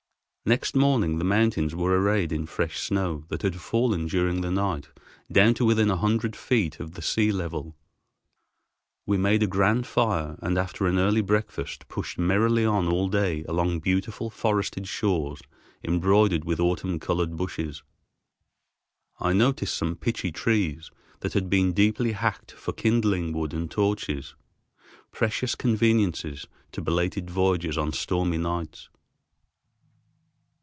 Next morning the mountains were arrayed in fresh snow that had fallen during the night down to within a hundred feet of the sea level. We made a grand fire, and after an early breakfast pushed merrily on all day along beautiful forested shores embroidered with autumn colored bushes. I noticed some pitchy trees that had been deeply hacked for kindling wood and torches, precious conveniences to belated voyagers on stormy nights.